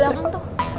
di belakang tuh